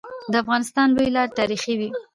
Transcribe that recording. د افغانستان لويي لاري تاریخي وي.